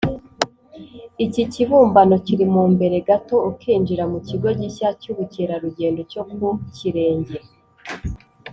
Iki kibumbano kiri mu mbere gato ukinjira mu kigo gishya cy’ubukerarugendo cyo Ku Kirenge